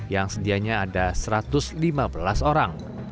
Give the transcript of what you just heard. yang sedianya ada satu ratus lima belas orang